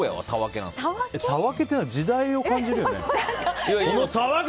たわけって、時代を感じるよね。